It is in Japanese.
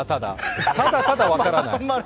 ただただ分からない。